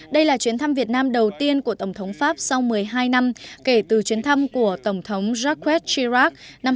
đây là chuyến thăm việt nam đầu tiên của tổng thống pháp sau một mươi hai năm kể từ chuyến thăm của tổng thống jacques chirac